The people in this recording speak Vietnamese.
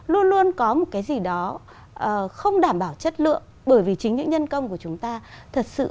luôn luôn có một cái gì đó không đảm bảo chất lượng bởi vì chính những nhân công của chúng ta thật sự